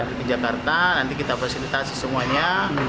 nanti ke jakarta nanti kita fasilitasi semuanya